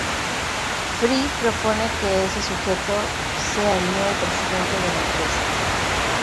Fry propone que ese sujeto sea el nuevo presidente de la empresa.